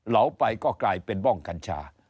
เหลาไปก็กลายเป็นบ้องกัญชา